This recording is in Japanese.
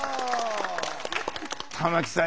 玉木さん